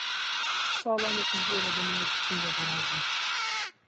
ساڵانێکی زۆرە دەمەوێت بچم بۆ بەرازیل.